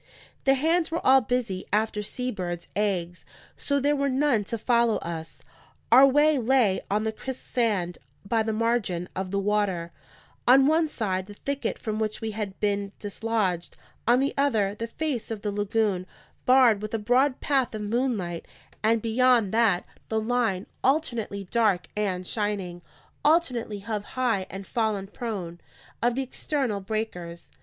The hands were all busy after sea birds' eggs, so there were none to follow us. Our way lay on the crisp sand by the margin of the water: on one side, the thicket from which we had been dislodged; on the other, the face of the lagoon, barred with a broad path of moonlight, and beyond that, the line, alternately dark and shining, alternately hove high and fallen prone, of the external breakers.